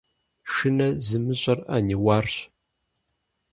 Шынэ зымыщӀэр Ӏэниуарщ!